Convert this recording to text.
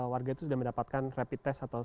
warga itu sudah mendapatkan rapid test atau